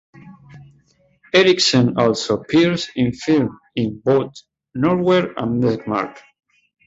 Eriksen also appeared in films in both Norway and Denmark.